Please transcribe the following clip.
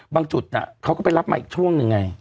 จุดเขาก็ไปรับมาอีกช่วงหนึ่งไง